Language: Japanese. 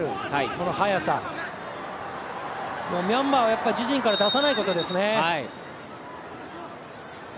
この速さ、ミャンマーを自陣から出さないことですね。